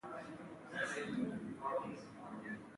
د افغانستان جغرافیه کې آمو سیند ستر اهمیت لري.